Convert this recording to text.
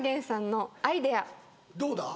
どうだ？